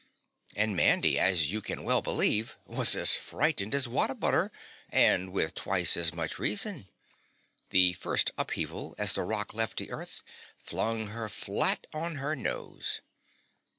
And Mandy, as you can well believe, was as frightened as What a butter and with twice as much reason. The first upheaval, as the rock left the earth, flung her flat on her nose.